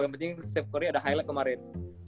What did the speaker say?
yang penting steph curry ada highlight kemarin